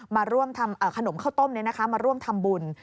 มาร่วมทำขนมข้าวต้มเนี่ยนะคะมาร่วมทำบุญ